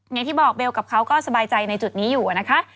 อย่างที่บอกเบลกับเขาก็สบายใจในจุดนี้อยู่นะคะ